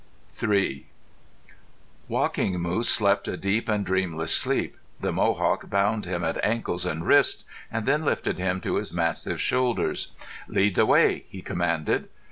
III Walking Moose slept a deep and dreamless sleep. The Mohawk bound him at ankles and wrists, and then lifted him to his massive shoulders. "Lead the way!" he commanded.